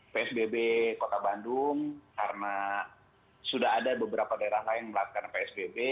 psbb kota bandung karena sudah ada beberapa daerah lain melakukan psbb